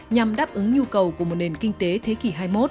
nhằm đáp ứng nhu cầu của một nền kinh tế thế kỷ hai mươi một